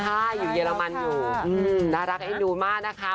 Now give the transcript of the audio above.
ใช่อยู่เยอรมันอยู่น่ารักเอ็นดูมากนะคะ